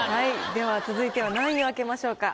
では続いては何位を開けましょうか？